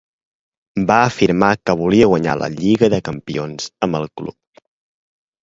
Va afirmar que volia guanyar la Lliga de Campions amb el club.